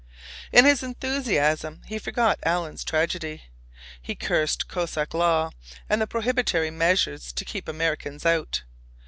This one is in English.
In his enthusiasm he forgot Alan's tragedy. He cursed Cossack law and the prohibitory measures to keep Americans out.